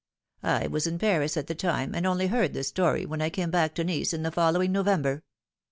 I was in Paris at the time, and only heard the story when I came back to Nice in the following November.